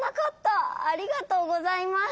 ありがとうございます。